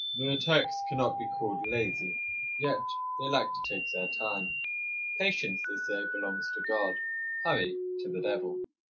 Though the Turks cannot be called lazy, yet they like to take their time. Patience, they say, belongs to God; hurry, to the devil.